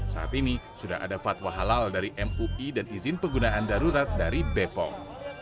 saat ini sudah ada fatwa halal dari mui dan izin penggunaan darurat dari bepom